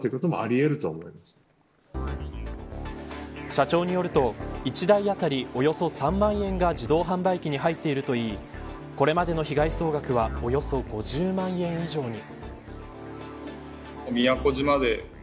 社長によると１台当たりおよそ３万円が自動販売機に入っているといいこれまでの被害総額はおよそ５０万円以上に。